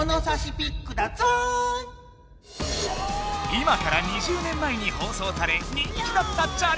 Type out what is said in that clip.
今から２０年前に放送され人気だったチャレンジ！